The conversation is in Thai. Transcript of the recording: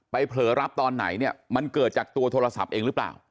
เผลอรับตอนไหนเนี่ยมันเกิดจากตัวโทรศัพท์เองหรือเปล่า